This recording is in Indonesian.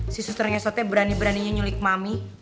si suster ngesotnya berani beraninya nyulik mami